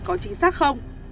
có chính xác không